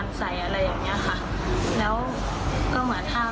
แล้วเขาก็เบียดขึ้นมาเบียดขึ้นมาจนรถหนูอยู่